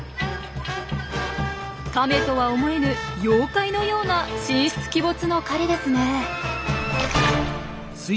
カメとは思えぬ妖怪のような神出鬼没の狩りですね。